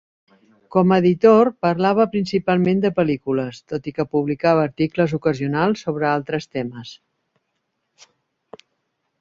Com a editor, parlava principalment de pel·lícules, tot i que publicava articles ocasionals sobre altres temes.